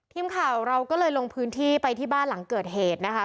ทีมข่าวเราก็เลยลงพื้นที่ไปที่บ้านหลังเกิดเหตุนะคะ